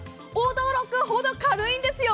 驚くほど軽いんですよ。